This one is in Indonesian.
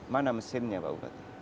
mana mesinnya pak bupati